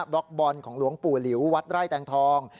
ล็อกบอลของหลวงปู่หลิววัดไร่แตงทอง